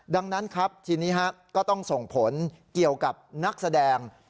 ดังนั้นครับทีนี้ก็ต้องส่งผลเกี่ยวกับนักแสดง